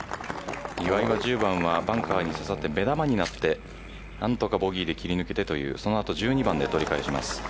岩井は１０番はバンカーに刺さって目玉になって何とかボギーで切り抜けてというそのあと１２番で取り返します。